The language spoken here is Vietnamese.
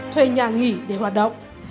thuê nhà nghỉ để hoạt động